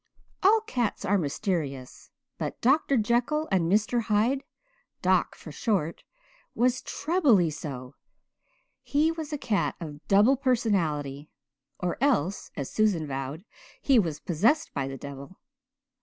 All cats are mysterious but Dr. Jekyll and Mr. Hyde "Doc" for short was trebly so. He was a cat of double personality or else, as Susan vowed, he was possessed by the devil.